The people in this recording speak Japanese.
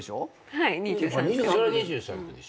はい２３区です。